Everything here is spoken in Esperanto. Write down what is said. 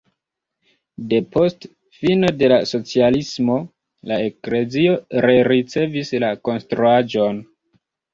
Depost fino de la socialismo la eklezio rericevis la konstruaĵon.